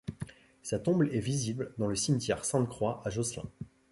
Sa tombe est visible dans le cimetière Sainte-Croix à Josselin.